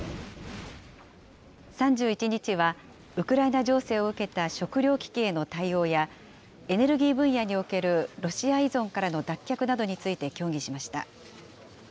３１日は、ウクライナ情勢を受けた食糧危機への対応や、エネルギー分野におけるロシア依存からの脱却などについて協議しました。